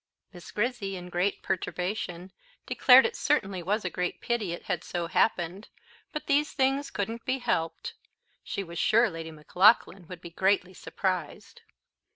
Miss Grizzy, in great perturbation, declared it certainly was a great pity it had so happened, but these things couldn't be helped; she was sure Lady Maclaughlan would be greatly surprised.